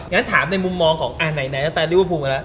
อย่างนั้นถามในมุมมองของไหนแล้วแฟนเรียกว่าภูมิกันแล้ว